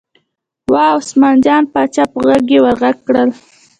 وه عثمان جان پاچا په غږ یې ور غږ کړل.